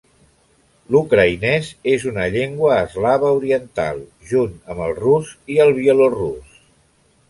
L'ucraïnès és una llengua eslava oriental, junt amb el rus i el bielorús.